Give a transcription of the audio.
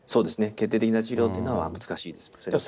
決定的な治療っていうのは難しいです。